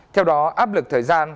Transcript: theo đó áp lực thời gian